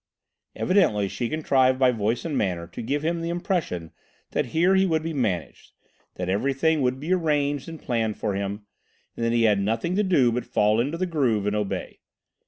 Evidently, she contrived by voice and manner to give him the impression that here he would be "managed," that everything would be arranged and planned for him, and that he had nothing to do but fall into the groove and obey.